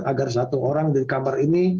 agar satu orang di kamar ini